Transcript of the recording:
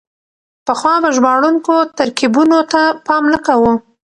پخوا به ژباړونکو ترکيبونو ته پام نه کاوه.